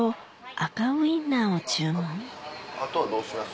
あとはどうします？